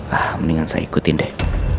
ah mendingan saya ikutin deh